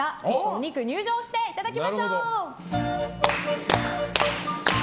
お肉入場していただきましょう！